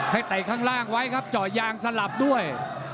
ให้แต่งข้างล่างไว้ครับจ่อยยางสลับด้วย